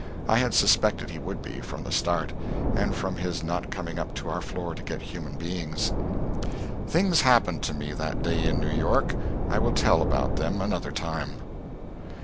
I had suspected he would be, from the start, and from his not coming up to our floor to get human beings. Things happened to me that day in New York. I will tell about them another time.